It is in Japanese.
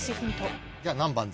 じゃあ何番で？